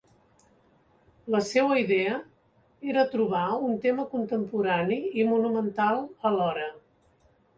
La seua idea era trobar un tema contemporani i monumental alhora.